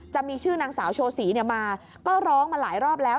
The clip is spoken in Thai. จะมีชื่อนางสาวโชศรีมาก็ร้องมาหลายรอบแล้ว